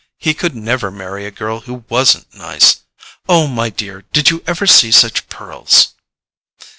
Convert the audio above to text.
He could never marry a girl who WASN'T nice. Oh, my dear, did you ever see such pearls?"